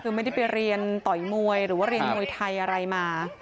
คือไม่ได้ไปเรียนต่อยมวยหรือว่าเรียนมวยไทยอะไรมา